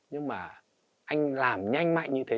nhưng mà anh làm nhanh mạnh như thế